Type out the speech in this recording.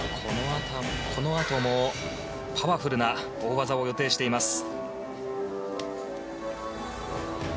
このあともパワフルな大技を予定しています。